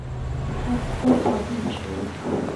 他工作尽职。